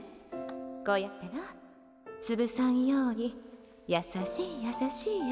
こうやってなつぶさんようにやさしいやさしいや。